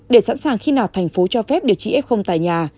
để sẵn sàng khi nào thành phố cho phép điều trị f tại nhà